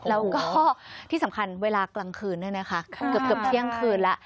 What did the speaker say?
แล้วก็ที่สำคัญเวลากลางคืนด้วยนะคะเกือบเกือบเที่ยงคืนละ